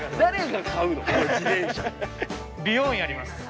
美容院あります。